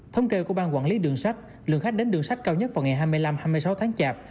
thông kê của bang quản lý đường sách lượng khách đến đường sách cao nhất vào ngày hai mươi năm hai mươi sáu tháng chạp